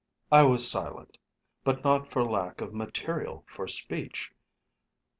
I was silent, but not for lack of material for speech.